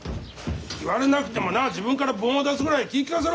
言われなくてもな自分から盆を出すぐらい気ぃ利かせろ！